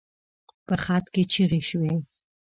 په خط کې چيغې شوې.